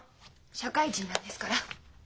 社会人なんですから。